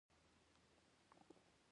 علم دین منطق نه زغملای.